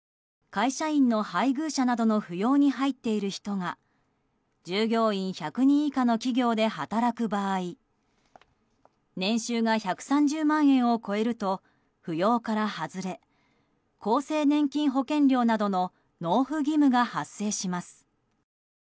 会社員の配偶者などの扶養に入っている人が従業員１００人以下の企業で働く場合年収が１３０万円を超えると扶養から外れ厚生年金保険料などの納付義務が発生します。